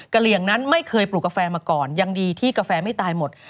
เหลี่ยงนั้นไม่เคยปลูกกาแฟมาก่อนยังดีที่กาแฟไม่ตายหมด